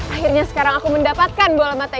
akhirnya sekarang aku mendapatkan bola mata itu